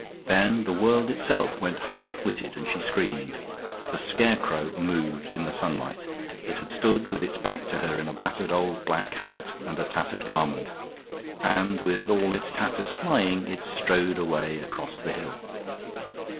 Then the world itself went half witted and she screamed. The scarecrow moved in the sun light. It had stood with its back to her in a battered old black hat and a tattered garment, and with all its tatters flying, it strode away across the hill.